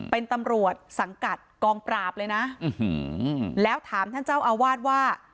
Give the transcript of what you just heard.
เป็นตำรวจสังกัดกองปราบเลยนะแล้วถามท่านเจ้าอาวาสว่า